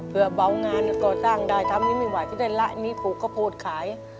เพื่อเบางานก่อสร้างได้ทำนี้ไม่ไหวก็ได้ละอันนี้ปลูกข้าวโพดขาย